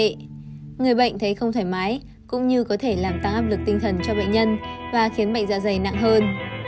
người bệnh thấy không thoải mái cũng như có thể làm tăng áp lực tinh thần cho bệnh nhân và khiến bệnh dạ dày nặng hơn